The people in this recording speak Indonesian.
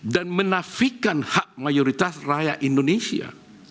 dan menafikan hak mayoritas rakyat indonesia